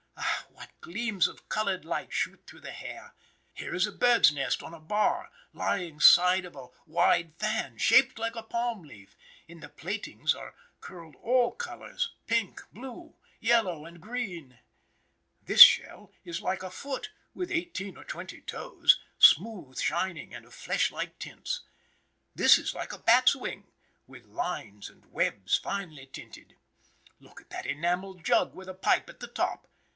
Ah, what gleams of colored light shoot through the hair! Here is a bird's nest on a bar, lying side of a wide fan, shaped like a palm leaf; in the plaitings are curled all colors, pink, blue, yellow, and green. This shell is like a foot with eighteen or twenty toes, smooth, shining, and of flesh like tints. This is like a bat's wing, with lines and webs finely tinted. Look at that enamelled jug with a pipe at the top.